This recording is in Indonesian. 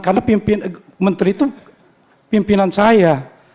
karena pimpin menteri itu pimpinan saya